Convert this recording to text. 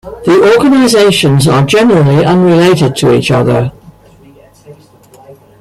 The organisations are generally unrelated to each other.